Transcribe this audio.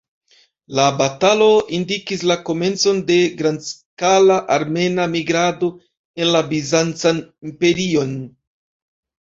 La batalo indikis la komencon de grandskala armena migrado en la Bizancan Imperion.